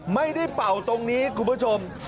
เป่าตรงนี้คุณผู้ชม